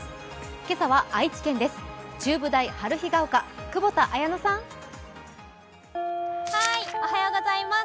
今朝は愛知県です。